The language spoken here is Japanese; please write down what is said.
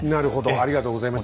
ありがとうございます。